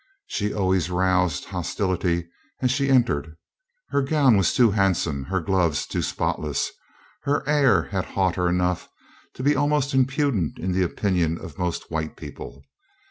She always roused hostility as she entered: her gown was too handsome, her gloves too spotless, her air had hauteur enough to be almost impudent in the opinion of most white people.